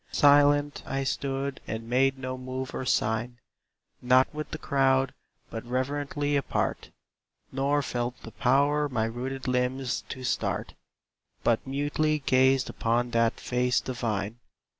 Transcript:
Silent I stood and made no move or sign; Not with the crowd, but reverently apart; Nor felt the power my rooted limbs to start, But mutely gazed upon that face divine.